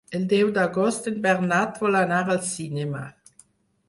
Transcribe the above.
El deu d'agost en Bernat vol anar al cinema.